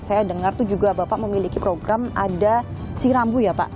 saya dengar itu juga bapak memiliki program ada sirambu ya pak